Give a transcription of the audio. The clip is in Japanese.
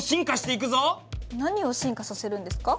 何を進化させるんですか？